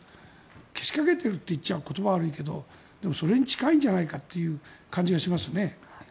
けしかけているといったら言葉は悪いけどそれに近いんじゃないかなという感じがしますね。